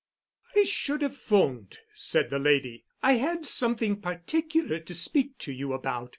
"I should have 'phoned," said the lady. "I had something particular to speak to you about.